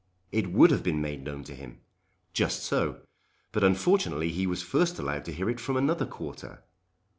"It would have been made known to him." "Just so. But unfortunately he was first allowed to hear it from another quarter.